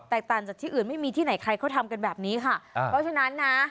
ต่างจากที่อื่นไม่มีที่ไหนใครเขาทำกันแบบนี้ค่ะเพราะฉะนั้นนะ